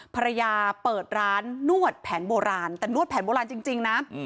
ภรรยาเปิดร้านนวดแผนโบราณแต่นวดแผนโบราณจริงนะ